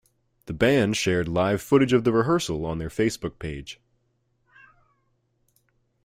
The band shared live footage of the rehearsal on their Facebook page.